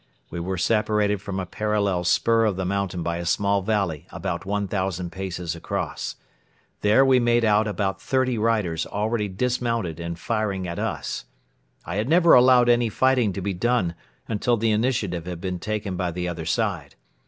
We were separated from a parallel spur of the mountain by a small valley about one thousand paces across. There we made out about thirty riders already dismounted and firing at us. I had never allowed any fighting to be done until the initiative had been taken by the other side.